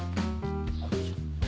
よいしょ。